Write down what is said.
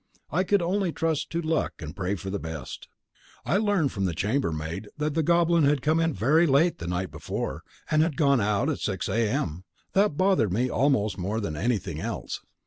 I could only trust to luck and pray for the best. I learned from the chambermaid that the Goblin had come in very late the night before, and had gone out at six A.M. That bothered me almost more than anything else.